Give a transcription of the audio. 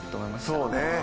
そうね。